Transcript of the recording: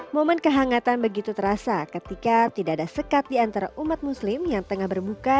momen kehangatan begitu terasa ketika tidak ada sekat di antara umat muslim yang tengah berbuka